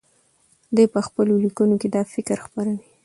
دی په خپلو لیکنو کې دا فکر خپروي.